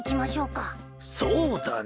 そうだなぁ。